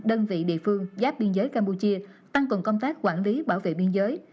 đơn vị địa phương giáp biên giới campuchia tăng cường công tác quản lý bảo vệ biên giới